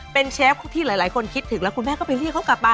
เป็นเชฟที่หลายคนคิดถึงแล้วคุณแม่ก็ไปเรียกเขากลับมา